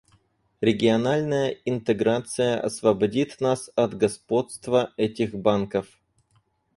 Региональная интеграция освободит нас от господства этих банков.